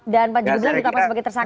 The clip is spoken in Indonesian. dan panji gumilang juga masih tersekat